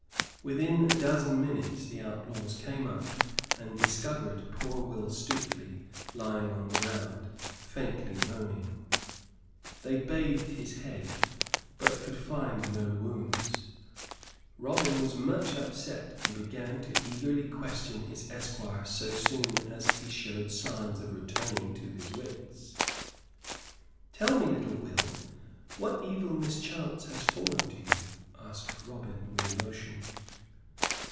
Within a dozen minutes the outlaws came up and discovered poor Will Stuteley lying on the ground, faintly moaning. They bathed his head, but could find no wounds. Robin was much upset, and began to eagerly question his esquire so soon as he showed signs of returning to his wits. "Tell me, little Will, what evil mischance has fallen to you?" asked Robin, with emotion.